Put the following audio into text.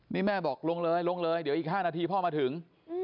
นี่แม่บอกลงเลยลงเลยเดี๋ยวอีก๕นาทีพ่อมาถึง